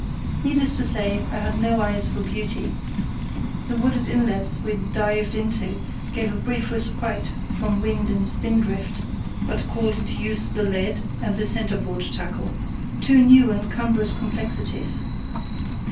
Needless to say, I had no eyes for beauty. The wooded inlets we dived into gave a brief respite from wind and spindrift, but called into use the lead and the centreboard tackle—two new and cumbrous complexities.